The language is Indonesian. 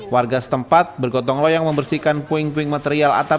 warga setempat bergotong loyang membersihkan puing puing material atap